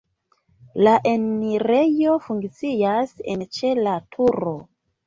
La enirejo funkcias en ĉe la turo.